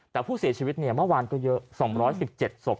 แต่ผู้เสียชีวิตเนี่ยเมื่อวานก็เยอะสองร้อยสิบเจ็ดศพ